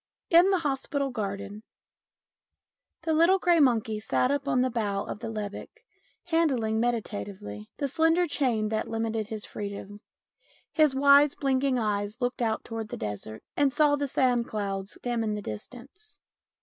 II IN THE HOSPITAL GARDEN THE little grey monkey sat up on the bough of the lebbek, handling meditatively the slender chain that limited his freedom. His wise blinking eyes, looked out towards the desert, and saw the sand clouds dim in the distance.